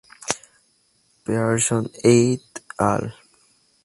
Pearson et al.